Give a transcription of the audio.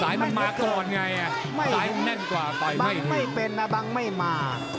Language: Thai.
ซ้ายมันมาก่อนไงซ้ายมันแน่นกว่าไปบังไม่เป็นนะบังไม่มา